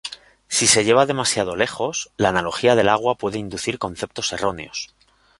Si se lleva demasiado lejos, la analogía del agua puede inducir conceptos erróneos.